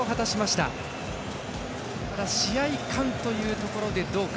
ただ試合感というところでどうか。